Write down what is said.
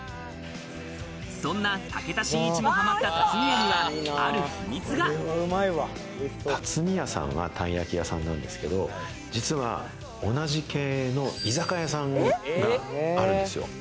そんな武田真一もたつみやさんはたい焼き屋さんなんですけど、実は同じ系の居酒屋さんがあるんですよ。